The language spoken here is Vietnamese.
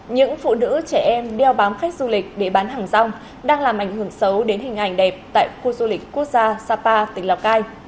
những phụ nữ trẻ em đeo bám khách du lịch để bán hàng rong đang làm ảnh hưởng xấu đến hình ảnh đẹp tại khu du lịch quốc gia sapa tỉnh lào cai